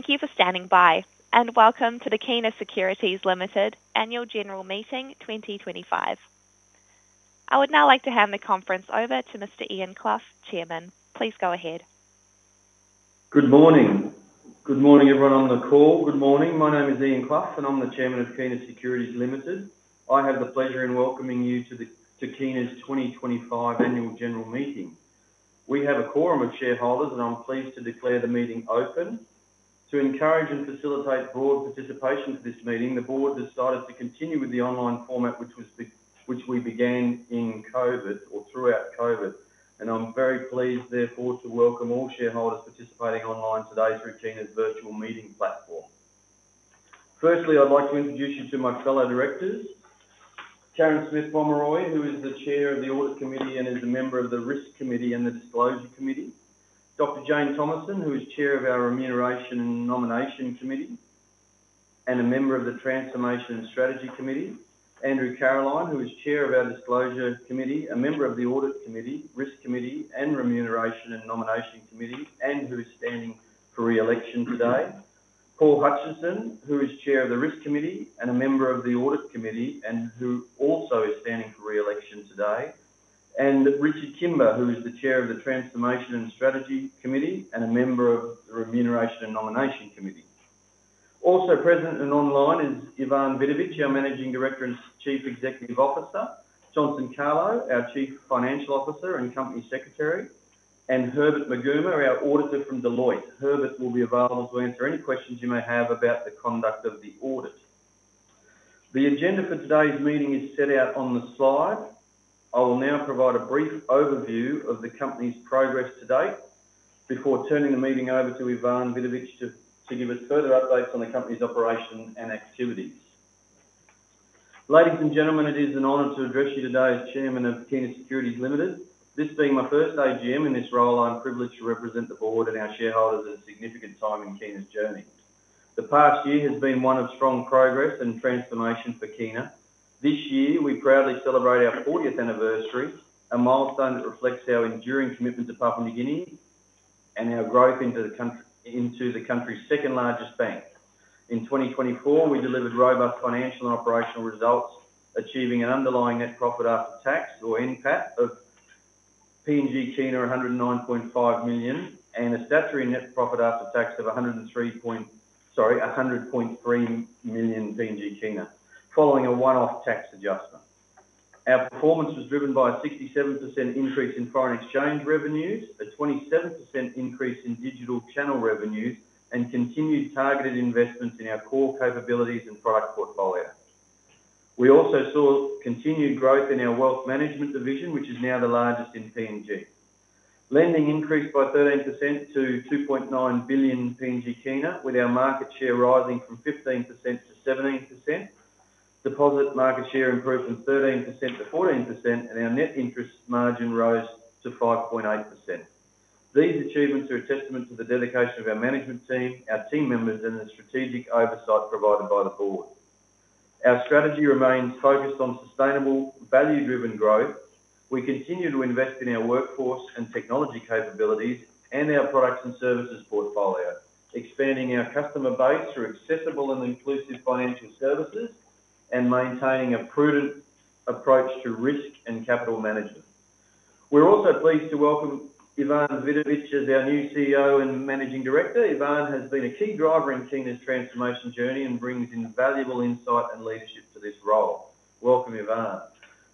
Thank you for standing by, and welcome to the Kina Securities Limited Annual General Meeting 2025. I would now like to hand the conference over to Mr. Ian Klaff, Chairman. Please go ahead. Good morning. Good morning, everyone on the call. Good morning. My name is Ian Klaff, and I'm the Chairman of Kina Securities Limited. I have the pleasure in welcoming you to Kina's 2025 Annual General Meeting. We have a quorum of shareholders, and I'm pleased to declare the meeting open. To encourage and facilitate broad participation to this meeting, the board decided to continue with the online format which we began in COVID or throughout COVID, and I'm very pleased, therefore, to welcome all shareholders participating online today through Kina's virtual meeting platform. Firstly, I'd like to introduce you to my fellow directors, Karen Smith-Bromley, who is the Chair of the Audit Committee and is a member of the Risk Committee and the Disclosure Committee; Dr. Jane Thomson, who is Chair of our Remuneration and Nomination Committee and a member of the Transformation and Strategy Committee, Andrew Caroline, who is Chair of our Disclosure Committee, a member of the Audit Committee, Risk Committee, and Remuneration and Nomination Committee, and who is standing for re-election today, Paul Hutchinson, who is Chair of the Risk Committee and a member of the Audit Committee and who also is standing for re-election today, and Richard Kimber, who is the Chair of the Transformation and Strategy Committee and a member of the Remuneration and Nomination Committee. Also present and online is Ivan Vidovich, our Managing Director and Chief Executive Officer, Johnson Kalo, our Chief Financial Officer and Company Secretary, and Herbert Maguma, our Auditor from Deloitte. Herbert will be available to answer any questions you may have about the conduct of the audit. The agenda for today's meeting is set out on the slide. I will now provide a brief overview of the company's progress to date before turning the meeting over to Ivan Vidovich to give us further updates on the company's operation and activities. Ladies and gentlemen, it is an honor to address you today as Chairman of Kina Securities Limited. This being my first AGM in this role, I'm privileged to represent the board and our shareholders at a significant time in Kina's journey. The past year has been one of strong progress and transformation for Kina. This year, we proudly celebrate our 40th anniversary, a milestone that reflects our enduring commitment to Papua New Guinea and our growth into the country's second-largest bank. In 2024, we delivered robust financial and operational results, achieving an underlying net profit after tax, or NPAT, of PGK 109.5 million, and a statutory net profit after tax of PGK 103.3 million, following a one-off tax adjustment. Our performance was driven by a 67% increase in foreign exchange revenues, a 27% increase in digital channel revenues, and continued targeted investments in our core capabilities and product portfolio. We also saw continued growth in our wealth management division, which is now the largest in PNG. Lending increased by 13% to PGK 2.9 billion, with our market share rising from 15% to 17%. Deposit market share improved from 13% to 14%, and our net interest margin rose to 5.8%. These achievements are a testament to the dedication of our management team, our team members, and the strategic oversight provided by the board. Our strategy remains focused on sustainable, value-driven growth. We continue to invest in our workforce and technology capabilities and our products and services portfolio, expanding our customer base through accessible and inclusive financial services and maintaining a prudent approach to risk and capital management. We're also pleased to welcome Ivan Vidovich as our new CEO and Managing Director. Ivan has been a key driver in Kina's transformation journey and brings invaluable insight and leadership to this role. Welcome, Ivan.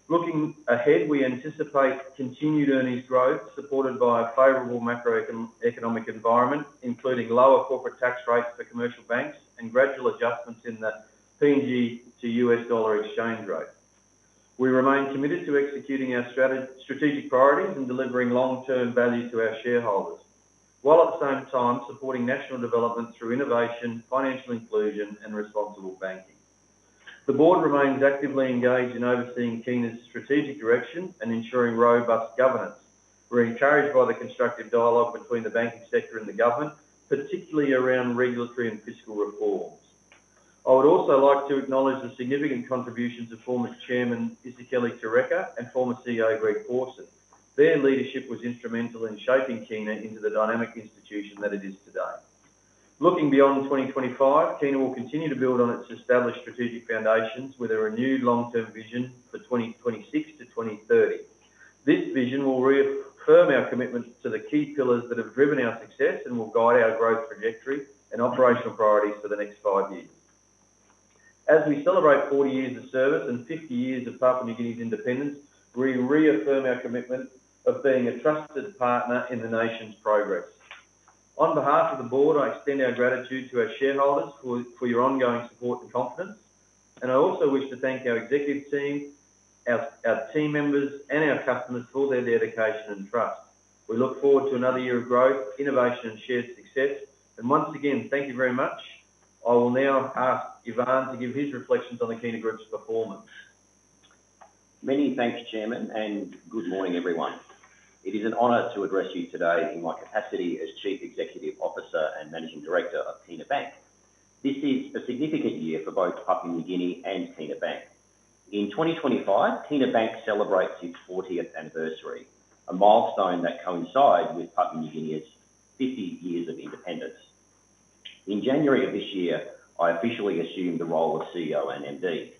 Looking ahead, we anticipate continued earnings growth supported by a favorable macroeconomic environment, including lower corporate tax rates for commercial banks and gradual adjustments in the PNG Kina to US dollar exchange rate. We remain committed to executing our strategic priorities and delivering long-term value to our shareholders, while at the same time supporting national development through innovation, financial inclusion, and responsible banking. The board remains actively engaged in overseeing Kina's strategic direction and ensuring robust governance. We're encouraged by the constructive dialogue between the banking sector and the government, particularly around regulatory and fiscal reforms. I would also like to acknowledge the significant contributions of former Chairman Isekele Tureka and former CEO Greg Pawson. Their leadership was instrumental in shaping Kina into the dynamic institution that it is today. Looking beyond 2025, Kina will continue to build on its established strategic foundations with a renewed long-term vision for 2026 to 2030. This vision will reaffirm our commitment to the key pillars that have driven our success and will guide our growth trajectory and operational priorities for the next five years. As we celebrate 40 years of service and 50 years of Papua New Guinea's independence, we reaffirm our commitment of being a trusted partner in the nation's progress. On behalf of the board, I extend our gratitude to our shareholders for your ongoing support and confidence, and I also wish to thank our executive team, our team members, and our customers for their dedication and trust. We look forward to another year of growth, innovation, and shared success, and once again, thank you very much. I will now ask Ivan to give his reflections on the Kina Group's performance. Many thanks, Chairman, and good morning, everyone. It is an honor to address you today in my capacity as Chief Executive Officer and Managing Director of Kina Bank. This is a significant year for both Papua New Guinea and Kina Bank. In 2025, Kina Bank celebrates its 40th anniversary, a milestone that coincides with Papua New Guinea's 50 years of independence. In January of this year, I officially assumed the role of CEO and MD.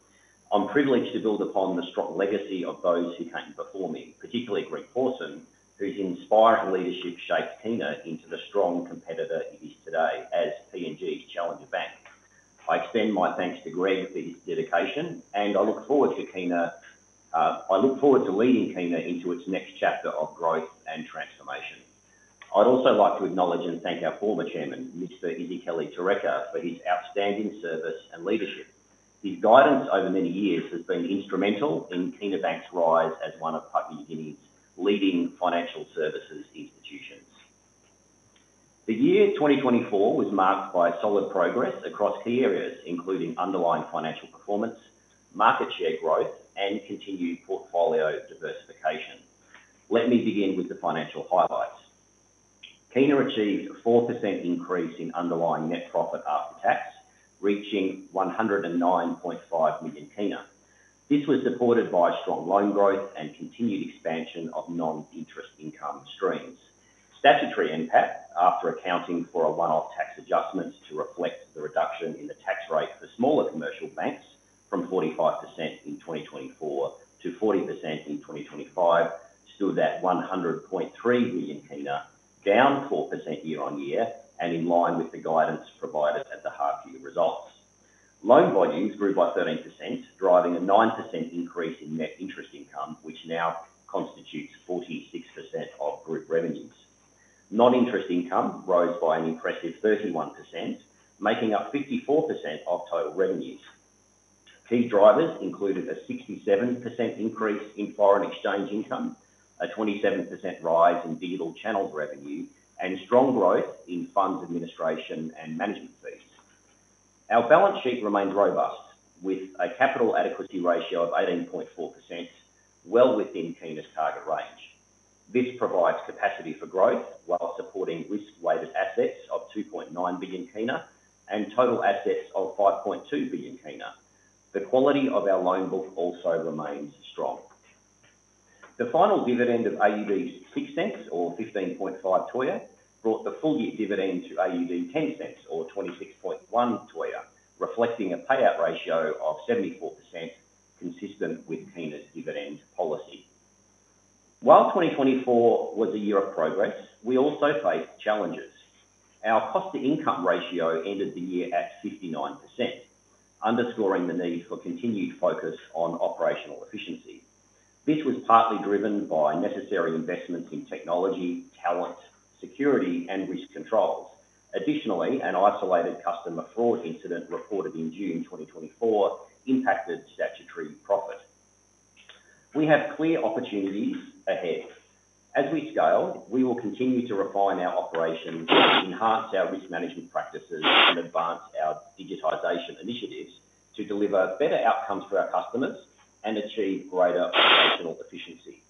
I'm privileged to build upon the strong legacy of those who came before me, particularly Greg Pawson, whose inspiring leadership shaped Kina into the strong competitor it is today as PNG's challenger bank. I extend my thanks to Greg for his dedication, and I look forward to leading Kina into its next chapter of growth and transformation. I'd also like to acknowledge and thank our former Chairman, Mr. Isekele Tureka, for his outstanding service and leadership. His guidance over many years has been instrumental in Kina Bank's rise as one of Papua New Guinea's leading financial services institutions. The year 2024 was marked by solid progress across key areas, including underlying financial performance, market share growth, and continued portfolio diversification. Let me begin with the financial highlights. Kina achieved a 4% increase in underlying net profit after tax, reaching PGK 109.5 million. This was supported by strong loan growth and continued expansion of non-interest income streams. Statutory NPAT, after accounting for a one-off tax adjustment to reflect the reduction in the tax rate for smaller commercial banks from 45% in 2024 to 40% in 2025, stood at PGK 100.3 million, down 4% year on year, and in line with the guidance provided at the half-year results. Loan volumes grew by 13%, driving a 9% increase in net interest income, which now constitutes 46% of group revenues. Non-interest income rose by an impressive 31%, making up 54% of total revenues. Key drivers included a 67% increase in foreign exchange income, a 27% rise in digital channels revenue, and strong growth in funds administration and management fees. Our balance sheet remained robust, with a capital adequacy ratio of 18.4%, well within Kina's target range. This provides capacity for growth while supporting risk-weighted assets of PGK 2.9 billion and total assets of PGK 5.2 billion. The quality of our loan book also remains strong. The final dividend of 0.06, or 0.155 Kina, brought the full-year dividend to 0.10, or 0.261 Kina, reflecting a payout ratio of 74%, consistent with Kina's dividend policy. While 2024 was a year of progress, we also faced challenges. Our cost-to-income ratio ended the year at 59%, underscoring the need for continued focus on operational efficiency. This was partly driven by necessary investments in technology, talent, security, and risk controls. Additionally, an isolated customer fraud incident reported in June 2024 impacted statutory profit. We have clear opportunities ahead. As we scale, we will continue to refine our operations, enhance our risk management practices, and advance our digitization initiatives to deliver better outcomes for our customers and achieve greater operational efficiency.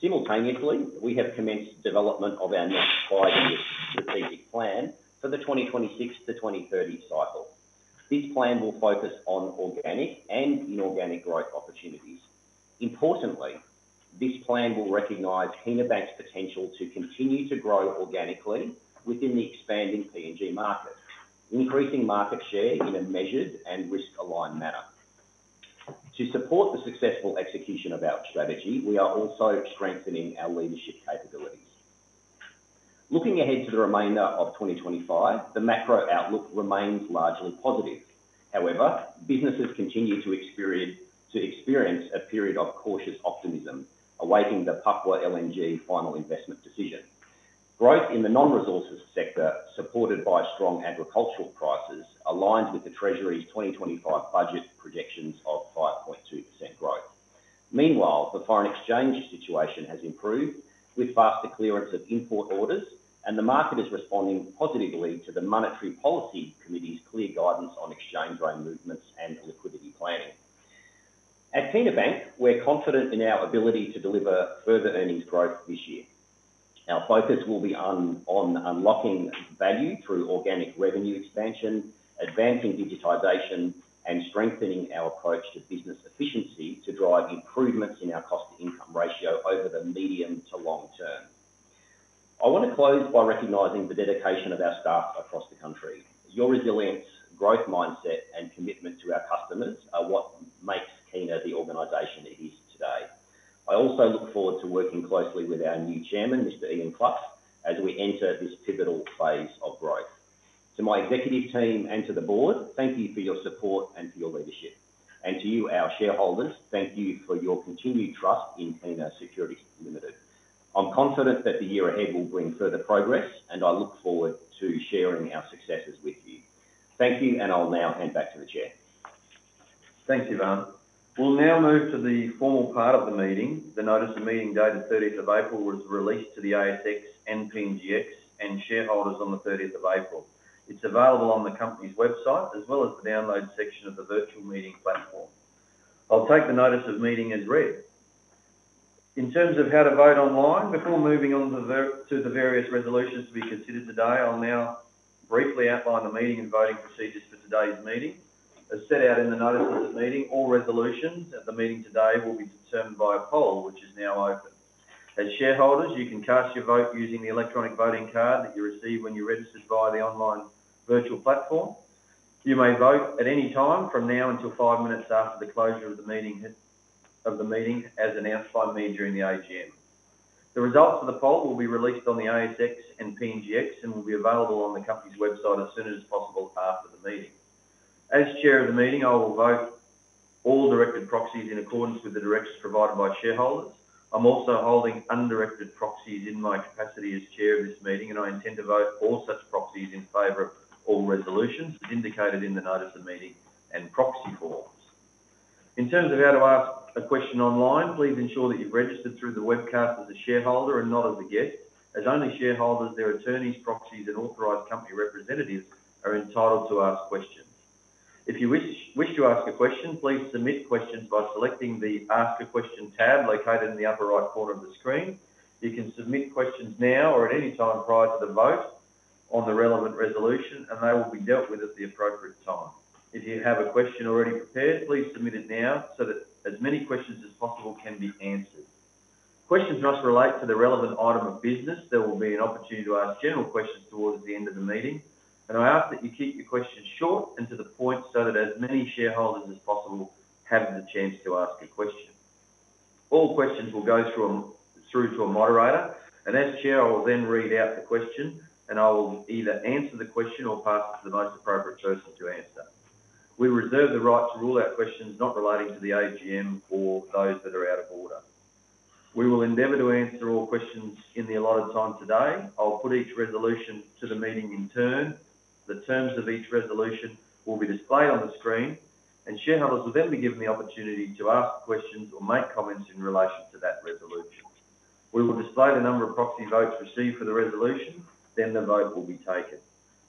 Simultaneously, we have commenced development of our next five-year strategic plan for the 2026 to 2030 cycle. This plan will focus on organic and inorganic growth opportunities. Importantly, this plan will recognize Kina Bank's potential to continue to grow organically within the expanding PNG market, increasing market share in a measured and risk-aligned manner. To support the successful execution of our strategy, we are also strengthening our leadership capabilities. Looking ahead to the remainder of 2025, the macro outlook remains largely positive. However, businesses continue to experience a period of cautious optimism, awaiting the Papua LNG final investment decision. Growth in the non-resources sector, supported by strong agricultural prices, aligns with the Treasury's 2025 budget projections of 5.2% growth. Meanwhile, the foreign exchange situation has improved, with faster clearance of import orders, and the market is responding positively to the Monetary Policy Committee's clear guidance on exchange rate movements and liquidity planning. At Kina Bank, we're confident in our ability to deliver further earnings growth this year. Our focus will be on unlocking value through organic revenue expansion, advancing digitization, and strengthening our approach to business efficiency to drive improvements in our cost-to-income ratio over the medium to long term. I want to close by recognizing the dedication of our staff across the country. Your resilience, growth mindset, and commitment to our customers are what makes Kina the organization it is today. I also look forward to working closely with our new Chairman, Mr. Ian Klaff, as we enter this pivotal phase of growth. To my executive team and to the board, thank you for your support and for your leadership. To you, our shareholders, thank you for your continued trust in Kina Securities Limited. I'm confident that the year ahead will bring further progress, and I look forward to sharing our successes with you. Thank you, and I'll now hand back to the Chair. Thanks, Ivan. We'll now move to the formal part of the meeting. The notice of meeting dated 30th of April was released to the ASX and PNGX and shareholders on the 30th of April. It's available on the company's website as well as the download section of the virtual meeting platform. I'll take the notice of meeting as read. In terms of how to vote online, before moving on to the various resolutions to be considered today, I'll now briefly outline the meeting and voting procedures for today's meeting. As set out in the notices of meeting, all resolutions at the meeting today will be determined by a poll, which is now open. As shareholders, you can cast your vote using the electronic voting card that you receive when you register via the online virtual platform. You may vote at any time from now until five minutes after the closure of the meeting as announced by me during the AGM. The results of the poll will be released on the ASX and PNGX and will be available on the company's website as soon as possible after the meeting. As Chair of the meeting, I will vote all directed proxies in accordance with the directions provided by shareholders. I'm also holding undirected proxies in my capacity as Chair of this meeting, and I intend to vote all such proxies in favor of all resolutions as indicated in the notice of meeting and proxy forms. In terms of how to ask a question online, please ensure that you've registered through the webcast as a shareholder and not as a guest. As only shareholders, their attorneys, proxies, and authorized company representatives are entitled to ask questions. If you wish to ask a question, please submit questions by selecting the Ask a Question tab located in the upper right corner of the screen. You can submit questions now or at any time prior to the vote on the relevant resolution, and they will be dealt with at the appropriate time. If you have a question already prepared, please submit it now so that as many questions as possible can be answered. Questions must relate to the relevant item of business. There will be an opportunity to ask general questions towards the end of the meeting, and I ask that you keep your questions short and to the point so that as many shareholders as possible have the chance to ask a question. All questions will go through to a moderator, and as Chair, I will then read out the question, and I will either answer the question or pass it to the most appropriate person to answer. We reserve the right to rule out questions not relating to the AGM or those that are out of order. We will endeavor to answer all questions in the allotted time today. I'll put each resolution to the meeting in turn. The terms of each resolution will be displayed on the screen, and shareholders will then be given the opportunity to ask questions or make comments in relation to that resolution. We will display the number of proxy votes received for the resolution, then the vote will be taken.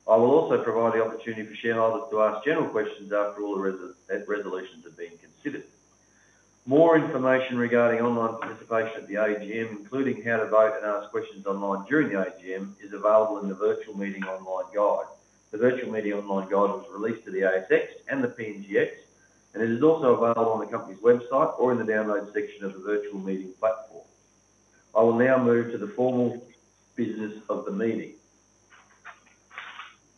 I will also provide the opportunity for shareholders to ask general questions after all the resolutions have been considered. More information regarding online participation at the AGM, including how to vote and ask questions online during the AGM, is available in the virtual meeting online guide. The virtual meeting online guide was released to the ASX and the PNGX, and it is also available on the company's website or in the download section of the virtual meeting platform. I will now move to the formal business of the meeting.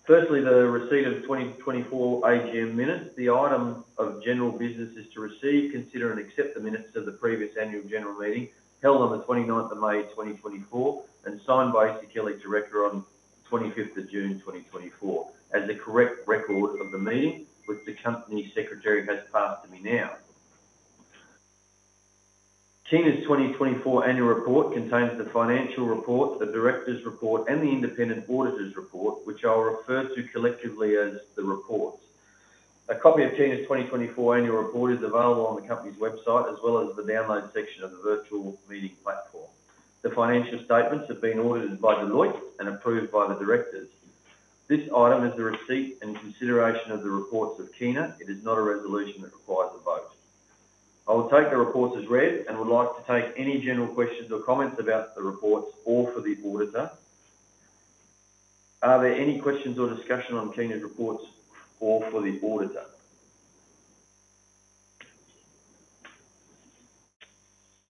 Firstly, the receipt of 2024 AGM minutes. The item of general business is to receive, consider, and accept the minutes of the previous Annual General Meeting held on the 29th of May 2024 and signed by Isekele Tureka, Director, on the 25th of June 2024 as a correct record of the meeting, which the Company Secretary has passed to me now. Kina's 2024 annual report contains the financial report, the director's report, and the independent auditor's report, which I'll refer to collectively as the reports. A copy of Kina's 2024 annual report is available on the company's website as well as the download section of the virtual meeting platform. The financial statements have been audited by Deloitte and approved by the directors. This item is the receipt and consideration of the reports of Kina. It is not a resolution that requires a vote. I will take the reports as read and would like to take any general questions or comments about the reports or for the auditor. Are there any questions or discussion on Kina's reports or for the auditor?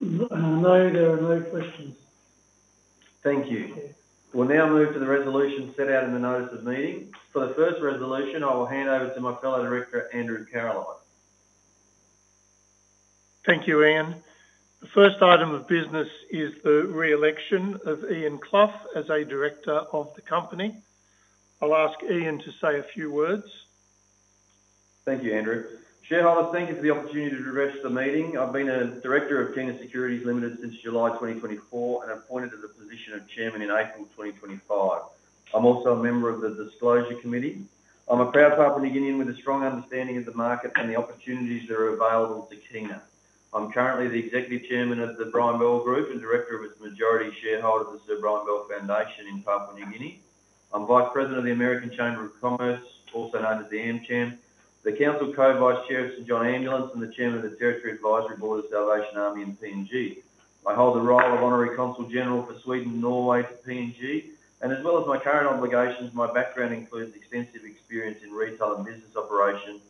No, there are no questions. Thank you. We'll now move to the resolution set out in the notice of meeting. For the first resolution, I will hand over to my fellow director, Andrew Caroline. Thank you, Ian. The first item of business is the re-election of Ian Klaff as a director of the company. I'll ask Ian to say a few words. Thank you, Andrew. Shareholders, thank you for the opportunity to register the meeting. I've been a director of Kina Securities Limited since July 2024 and appointed to the position of Chairman in April 2025. I'm also a member of the Disclosure Committee. I'm a proud Papua New Guinean with a strong understanding of the market and the opportunities that are available to Kina. I'm currently the Executive Chairman of the Brian Bell Group and director of its majority shareholders, the Sir Brian Bell Foundation in Papua New Guinea. I'm vice president of the American Chamber of Commerce, also known as the AMCHAM. The council co-vice chair of St. John Ambulance and the Chairman of the Territory Advisory Board of Salvation Army and PNG. I hold the role of Honorary Consul General for Sweden and Norway to PNG, and as well as my current obligations, my background includes extensive experience in retail and business operation,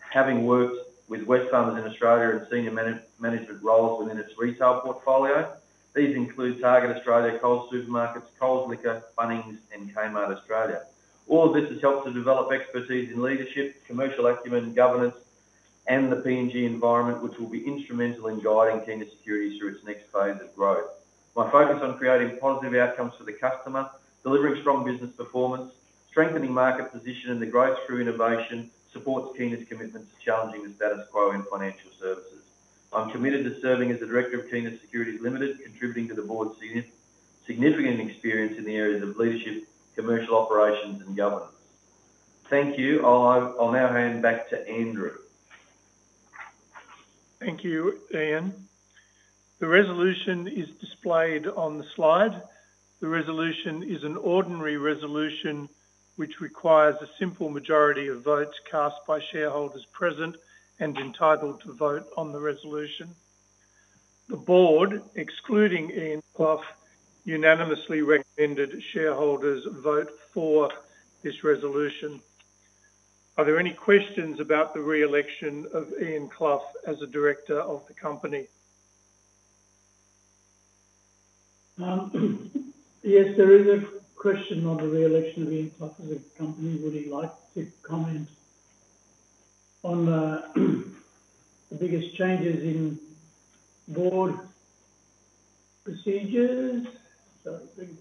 having worked with Wesfarmers in Australia in senior management roles within its retail portfolio. These include Target Australia, Coles Supermarkets, Coles Liquor, Bunnings, and Kmart Australia. All of this has helped to develop expertise in leadership, commercial acumen, governance, and the PNG environment, which will be instrumental in guiding Kina Securities through its next phase of growth. My focus on creating positive outcomes for the customer, delivering strong business performance, strengthening market position, and the growth through innovation supports Kina's commitment to challenging the status quo in financial services. I'm committed to serving as the Director of Kina Securities Limited, contributing to the board's significant experience in the areas of leadership, commercial operations, and governance. Thank you. I'll now hand back to Andrew. Thank you, Ian. The resolution is displayed on the slide. The resolution is an ordinary resolution, which requires a simple majority of votes cast by shareholders present and entitled to vote on the resolution. The Board, excluding Ian Klaff, unanimously recommended shareholders vote for this resolution. Are there any questions about the re-election of Ian Klaff as a director of the company? Yes, there is a question on the re-election of Ian Klaff as a company. Would he like to comment on the biggest changes in board procedures? Sorry,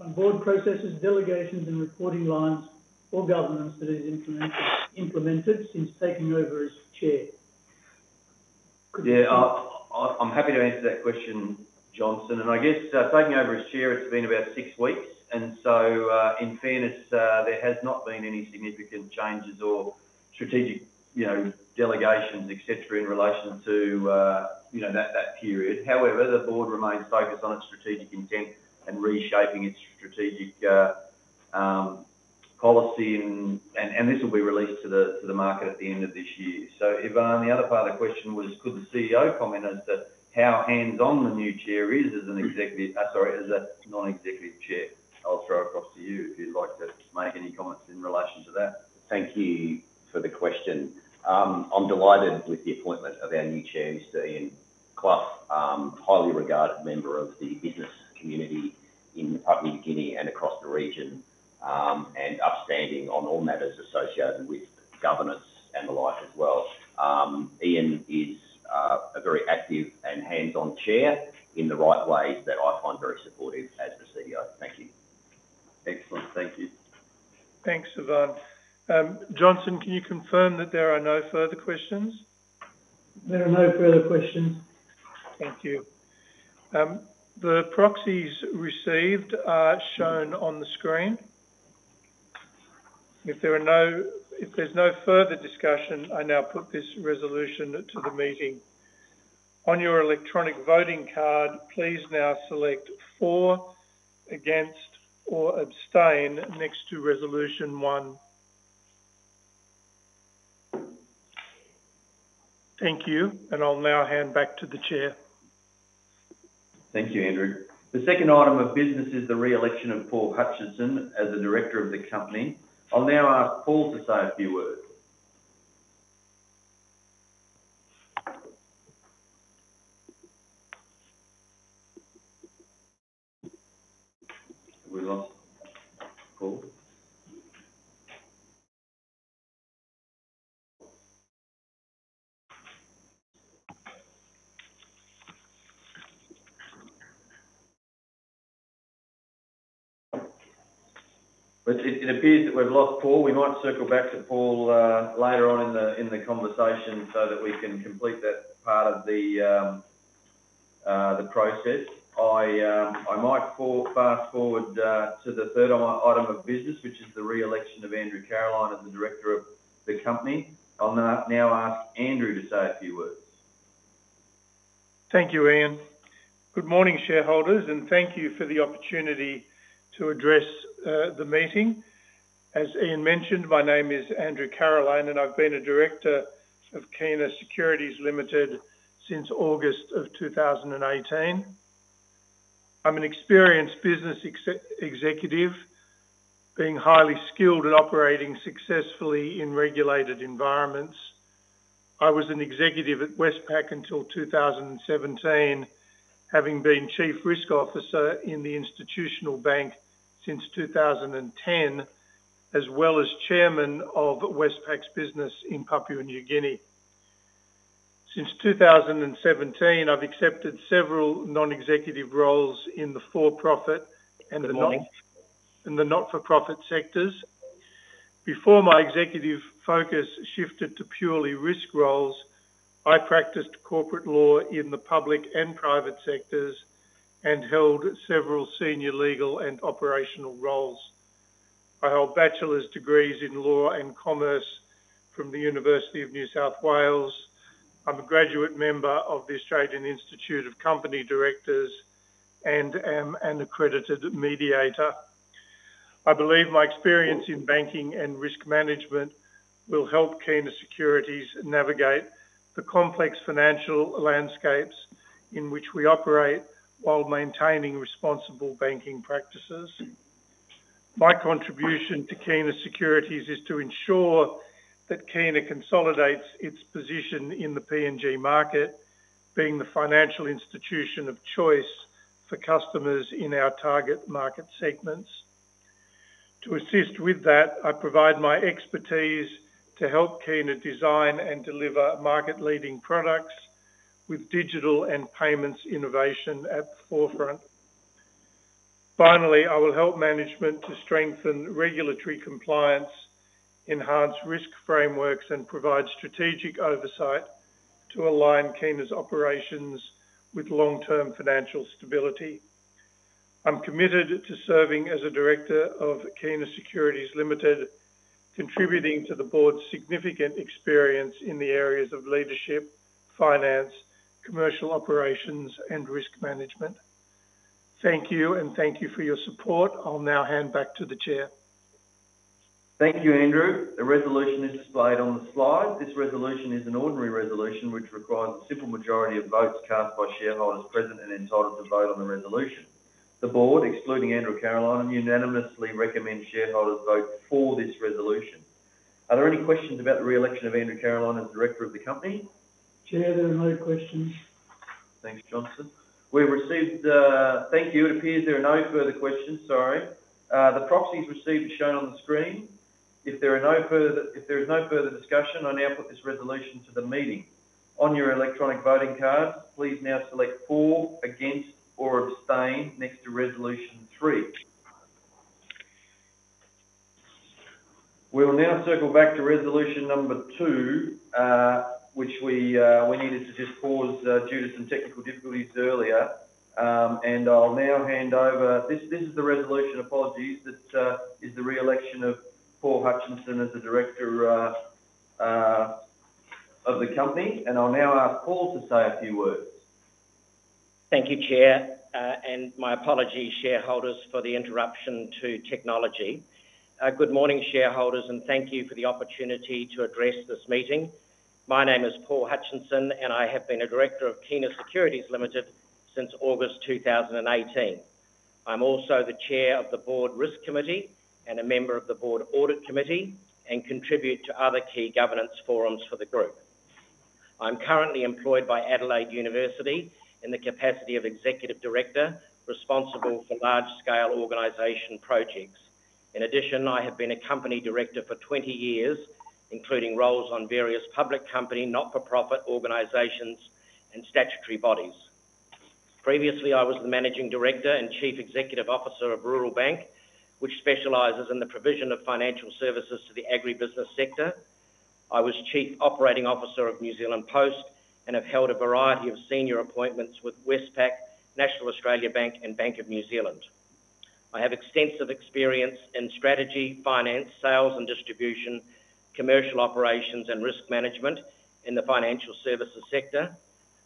board processes, delegations, and reporting lines or governance that he's implemented since taking over as chair? Yeah, I'm happy to answer that question, Johnson. I guess taking over as Chair, it's been about six weeks. In fairness, there has not been any significant changes or strategic delegations, etc., in relation to that period. However, the Board remains focused on its strategic intent and reshaping its strategic policy, and this will be released to the market at the end of this year. Ivan, the other part of the question was, could the CEO comment as to how hands-on the new Chair is as an executive? Sorry, as a non-executive Chair? I'll throw it across to you if you'd like to make any comments in relation to that. Thank you for the question. I'm delighted with the appointment of our new Chair, Mr. Ian Klaff, highly regarded member of the business community in Papua New Guinea and across the region, and upstanding on all matters associated with governance and the like as well. Ian is a very active and hands-on Chair in the right ways that I find very supportive as the CEO. Thank you. Excellent. Thank you. Thanks, Ivan. Johnson, can you confirm that there are no further questions? There are no further questions. Thank you. The proxies received are shown on the screen. If there is no further discussion, I now put this resolution to the meeting. On your electronic voting card, please now select for, against, or abstain next to resolution one. Thank you, and I will now hand back to the Chair. Thank you, Andrew. The second item of business is the re-election of Paul Hutchinson as the director of the company. I'll now ask Paul to say a few words. We lost Paul. It appears that we've lost Paul. We might circle back to Paul later on in the conversation so that we can complete that part of the process. I might fast forward to the third item of business, which is the re-election of Andrew Caroline as the director of the company. I'll now ask Andrew to say a few words. Thank you, Ian. Good morning, shareholders, and thank you for the opportunity to address the meeting. As Ian mentioned, my name is Andrew Caroline, and I've been a director of Kina Securities Limited since August of 2018. I'm an experienced business executive, being highly skilled at operating successfully in regulated environments. I was an executive at Westpac until 2017, having been Chief Risk Officer in the institutional bank since 2010, as well as chairman of Westpac's business in Papua New Guinea. Since 2017, I've accepted several non-executive roles in the for-profit and the not-for-profit sectors. Before my executive focus shifted to purely risk roles, I practiced corporate law in the public and private sectors and held several senior legal and operational roles. I hold bachelor's degrees in law and commerce from the University of New South Wales. I'm a graduate member of the Australian Institute of Company Directors and an accredited mediator. I believe my experience in banking and risk management will help Kina Securities navigate the complex financial landscapes in which we operate while maintaining responsible banking practices. My contribution to Kina Securities is to ensure that Kina consolidates its position in the PNG market, being the financial institution of choice for customers in our target market segments. To assist with that, I provide my expertise to help Kina design and deliver market-leading products with digital and payments innovation at the forefront. Finally, I will help management to strengthen regulatory compliance, enhance risk frameworks, and provide strategic oversight to align Kina's operations with long-term financial stability. I'm committed to serving as a director of Kina Securities Limited, contributing to the board's significant experience in the areas of leadership, finance, commercial operations, and risk management. Thank you, and thank you for your support. I'll now hand back to the Chair. Thank you, Andrew. The resolution is displayed on the slide. This resolution is an ordinary resolution, which requires a simple majority of votes cast by shareholders present and entitled to vote on the resolution. The Board, excluding Andrew Caroline, unanimously recommends shareholders vote for this resolution. Are there any questions about the re-election of Andrew Caroline as director of the company? Chair, there are no questions. Thanks, Johnson. Thank you. It appears there are no further questions. Sorry. The proxies received are shown on the screen. If there is no further discussion, I now put this resolution to the meeting. On your electronic voting cards, please now select for, against, or abstain next to resolution three. We will now circle back to resolution number two, which we needed to just pause due to some technical difficulties earlier. I will now hand over—this is the resolution, apologies—that is the re-election of Paul Hutchinson as the director of the company. I will now ask Paul to say a few words. Thank you, Chair. My apologies, shareholders, for the interruption to technology. Good morning, shareholders, and thank you for the opportunity to address this meeting. My name is Paul Hutchinson, and I have been a director of Kina Securities Limited since August 2018. I'm also the chair of the board risk committee and a member of the board audit committee and contribute to other key governance forums for the group. I'm currently employed by Adelaide University in the capacity of executive director responsible for large-scale organization projects. In addition, I have been a company director for 20 years, including roles on various public company, not-for-profit organizations, and statutory bodies. Previously, I was the managing director and chief executive officer of Rural Bank, which specializes in the provision of financial services to the agribusiness sector. I was chief operating officer of New Zealand Post and have held a variety of senior appointments with Westpac, National Australia Bank, and Bank of New Zealand. I have extensive experience in strategy, finance, sales and distribution, commercial operations, and risk management in the financial services sector.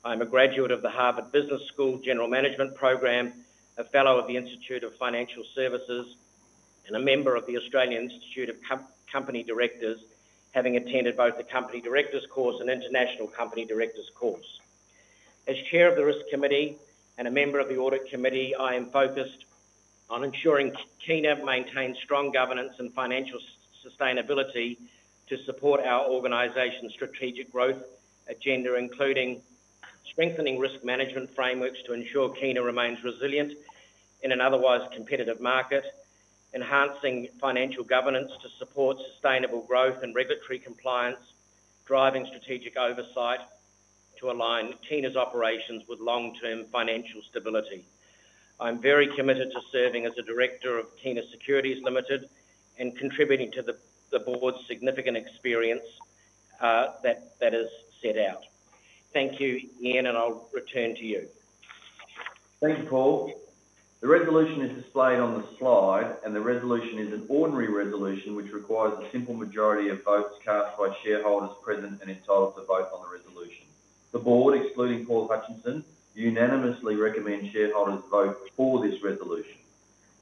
I'm a graduate of the Harvard Business School general management program, a fellow of the Institute of Financial Services, and a member of the Australian Institute of Company Directors, having attended both the company directors course and international company directors course. As Chair of the Risk Committee and a member of the Audit Committee, I am focused on ensuring Kina maintains strong governance and financial sustainability to support our organization's strategic growth agenda, including strengthening risk management frameworks to ensure Kina remains resilient in an otherwise competitive market, enhancing financial governance to support sustainable growth and regulatory compliance, driving strategic oversight to align Kina's operations with long-term financial stability. I'm very committed to serving as a director of Kina Securities Limited and contributing to the board's significant experience that is set out. Thank you, Ian, and I'll return to you. Thank you, Paul. The resolution is displayed on the slide, and the resolution is an ordinary resolution, which requires a simple majority of votes cast by shareholders present and entitled to vote on the resolution. The board, excluding Paul Hutchinson, unanimously recommends shareholders vote for this resolution.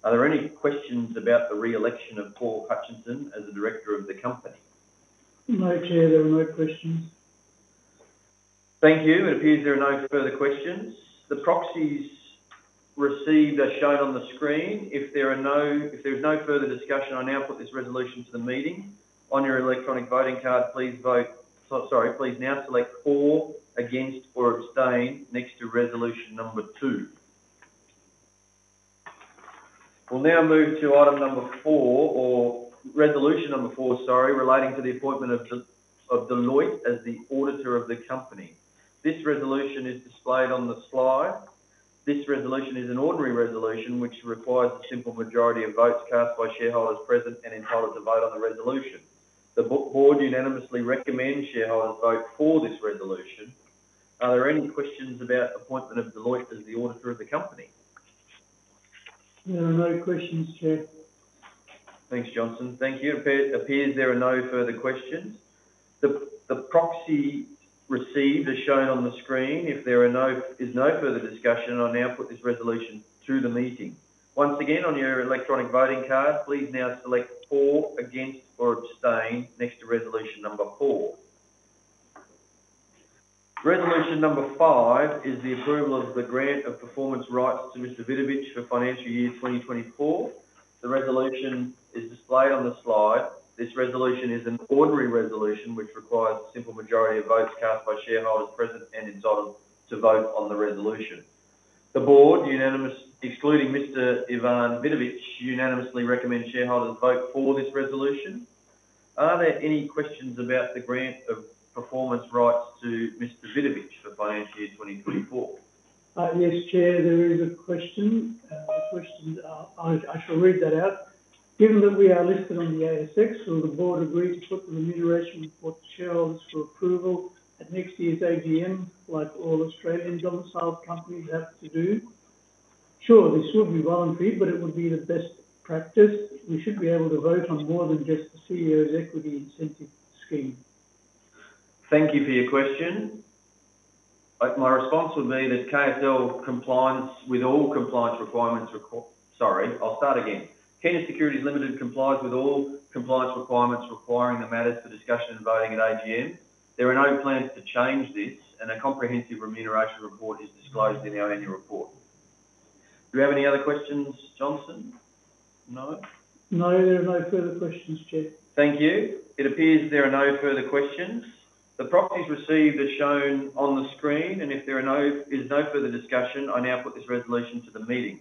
Are there any questions about the re-election of Paul Hutchinson as the director of the company? No, Chair. There are no questions. Thank you. It appears there are no further questions. The proxies received are shown on the screen. If there is no further discussion, I now put this resolution to the meeting. On your electronic voting card, please now select for, against, or abstain next to resolution number two. We will now move to item number four, or resolution number four, sorry, relating to the appointment of Deloitte as the auditor of the company. This resolution is displayed on the slide. This resolution is an ordinary resolution, which requires a simple majority of votes cast by shareholders present and entitled to vote on the resolution. The board unanimously recommends shareholders vote for this resolution. Are there any questions about the appointment of Deloitte as the auditor of the company? There are no questions, Chair. Thanks, Johnson. Thank you. It appears there are no further questions. The proxy received is shown on the screen. If there is no further discussion, I'll now put this resolution to the meeting. Once again, on your electronic voting card, please now select for, against, or abstain next to resolution number four. Resolution number five is the approval of the grant of performance rights to Mr. Vidovich for financial year 2024. The resolution is displayed on the slide. This resolution is an ordinary resolution, which requires a simple majority of votes cast by shareholders present and entitled to vote on the resolution. The board, excluding Mr. Ivan Vidovich, unanimously recommends shareholders vote for this resolution. Are there any questions about the grant of performance rights to Mr. Vidovich for financial year 2024? Yes, Chair, there is a question. I shall read that out. Given that we are listed on the ASX, will the board agree to put the remuneration for shareholders for approval at next year's AGM, like all Australian domiciled companies have to do? Sure, this would be voluntary, but it would be the best practice. We should be able to vote on more than just the CEO's equity incentive scheme. Thank you for your question. My response would be that KSL complies with all compliance requirements. Sorry. I'll start again. Kina Securities Limited complies with all compliance requirements requiring the matters for discussion and voting at AGM. There are no plans to change this, and a comprehensive remuneration report is disclosed in our annual report. Do we have any other questions, Johnson? No? No, there are no further questions, Chair. Thank you. It appears there are no further questions. The proxies received are shown on the screen, and if there is no further discussion, I now put this resolution to the meeting.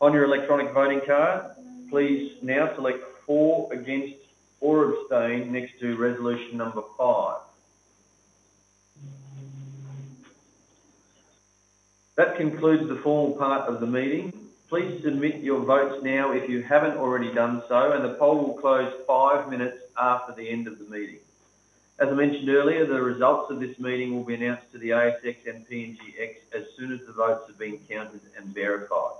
On your electronic voting card, please now select for, against, or abstain next to resolution number five. That concludes the formal part of the meeting. Please submit your votes now if you have not already done so, and the poll will close five minutes after the end of the meeting. As I mentioned earlier, the results of this meeting will be announced to the ASX and PNGX as soon as the votes have been counted and verified.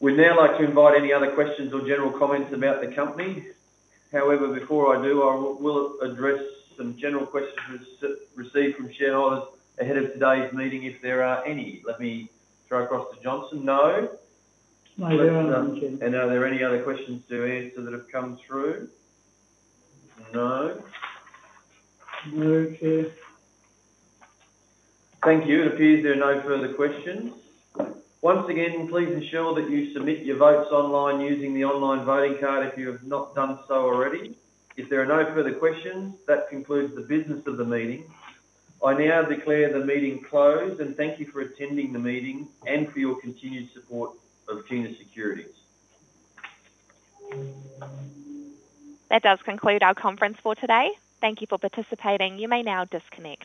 We would now like to invite any other questions or general comments about the company. However, before I do, I will address some general questions received from shareholders ahead of today's meeting if there are any. Let me throw across to Johnson. No? No, there aren't, Chair. Are there any other questions to answer that have come through? No? No, Chair. Thank you. It appears there are no further questions. Once again, please ensure that you submit your votes online using the online voting card if you have not done so already. If there are no further questions, that concludes the business of the meeting. I now declare the meeting closed, and thank you for attending the meeting and for your continued support of Kina Securities. That does conclude our conference for today. Thank you for participating. You may now disconnect.